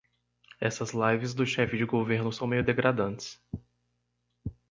Essas lives do chefe de governo são meio degradantes